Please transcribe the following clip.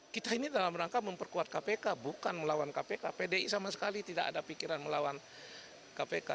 kita ini dalam rangka memperkuat kpk bukan melawan kpk pdi sama sekali tidak ada pikiran melawan kpk